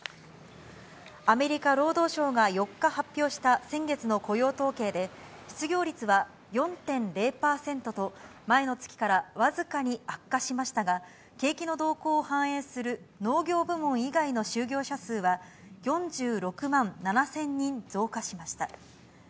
アメリカ労働省が４日発表した先月の雇用統計で、失業率は４．０％と、前の月から僅かに悪化しましたが、景気の動向を反映する農業部門以外の就業者数は、４６万７０００人増加しました。